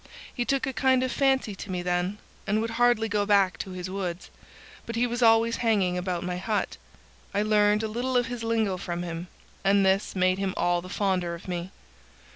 He took a kind of fancy to me then, and would hardly go back to his woods, but was always hanging about my hut. I learned a little of his lingo from him, and this made him all the fonder of me.